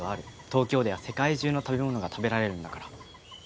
東京では世界中の食べ物が食べられるんだから。